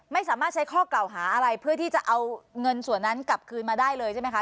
ไม่สามารถใช้ข้อกล่าวหาอะไรเพื่อที่จะเอาเงินส่วนนั้นกลับคืนมาได้เลยใช่ไหมคะ